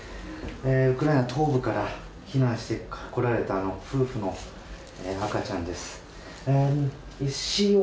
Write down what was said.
ウクライナ東部から避難してこられた夫婦の赤ちゃんです。